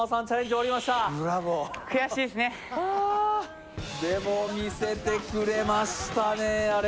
終わりましたでも見せてくれましたね、あれ。